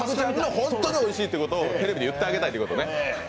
本当においしいってことをテレビで言ってあげたいってことね。